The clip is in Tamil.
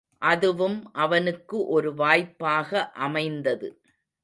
அதுவும் அவனுக்கு ஒரு வாய்ப்பாக அமைந்தது.